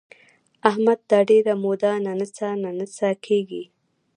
احمد دا ډېره موده ننڅه ننڅه کېږي.